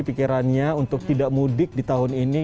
pikirannya untuk tidak mudik di tahun ini